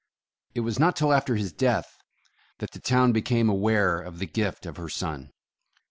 It was not till after his death that the town became aware of the gift of her son.